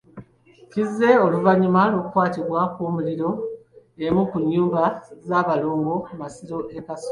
Kizze oluvannyuma lw'okukwatibwa kw'omuliro emu ku nnyumba z'abalongo mu Masiro e Kasubi.